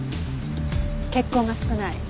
血痕が少ない。